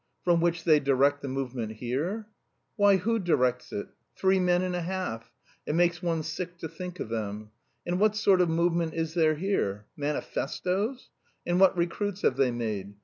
"From which they direct the movement here?" "Why, who directs it? Three men and a half. It makes one sick to think of them. And what sort of movement is there here? Manifestoes! And what recruits have they made?